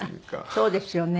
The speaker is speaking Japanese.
そうですよね。